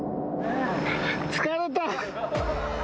疲れた。